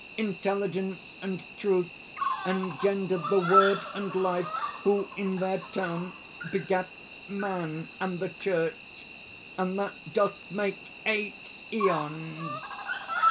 "Intelligence and Truth engendered the Word and Life, who in their turn begat Man and the Church; and that doth make eight Æons!"